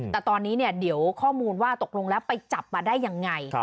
แต่ตอนนี้เดี๋ยวข้อมูลว่าตกลงแล้วไปจับมาได้ยังไง